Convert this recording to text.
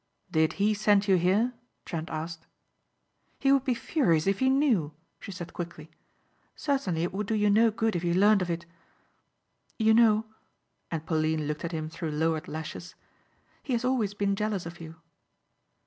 "Did he send you here?" Trent asked. "He would be furious if he knew," she said quickly. "Certainly it would do you no good if he learned of it. You know," and Pauline looked at him through lowered lashes, "he has always been jealous of you."